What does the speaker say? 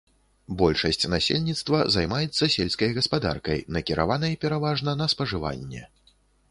Большасць насельніцтва займаецца сельскай гаспадаркай, накіраванай пераважна на спажыванне.